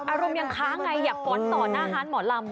อารมณ์ยังค้างไงอยากฟ้อนต่อหน้าฮานหมอลำ